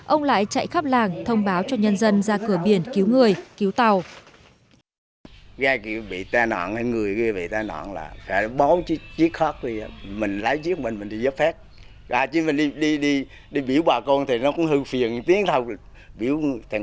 ông lại chạy khắp làng thông báo cho nhân dân ra cửa biển cứu người cứu tàu